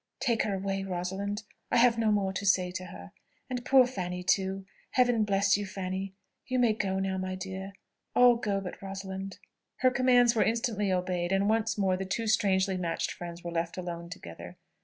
"Take her away, Rosalind. I have no more to say to her. And poor Fanny too. Heaven bless you, Fanny! you may go now, my dear. All go, but Rosalind." Her commands were instantly obeyed, and once more the two strangely matched friends were left alone together.